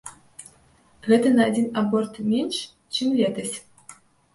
Гэта на адзін аборт менш, чым летась.